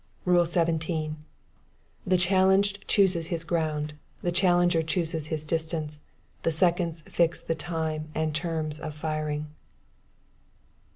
"Rule 17. The challenged chooses his ground; the challenger chooses his distance; the seconds fix the time and terms of firing.